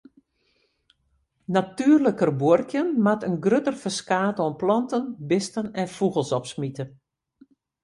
Natuerliker buorkjen moat in grutter ferskaat oan planten, bisten en fûgels opsmite.